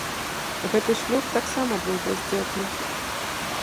Гэты шлюб таксама быў бяздзетным.